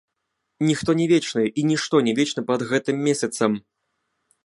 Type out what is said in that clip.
Ніхто не вечны і нішто не вечна пад гэтым месяцам.